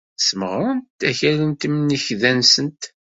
Ssmeɣrent akal n temnekda-nsent.